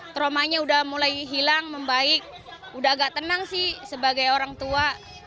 traumanya udah mulai hilang membaik udah agak tenang sih sebagai orang tua